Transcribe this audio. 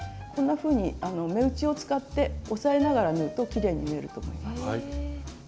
こんなふうに目打ちを使って押さえながら縫うときれいに縫えると思います。